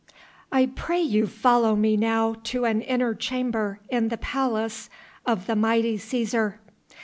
I pray you follow me now to an inner chamber in the palace of the mighty Cæsar.